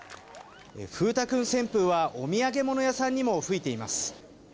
風太君旋風はお土産物屋さんにも吹いています。